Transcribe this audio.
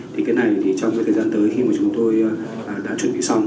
thì cái này thì trong cái thời gian tới khi mà chúng tôi đã chuẩn bị xong